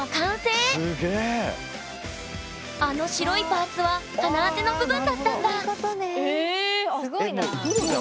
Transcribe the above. あの白いパーツは鼻当ての部分だったんだそういうことね。